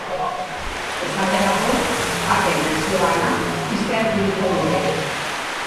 Esaterako, parke nazioanak ixtea ekidingo dute.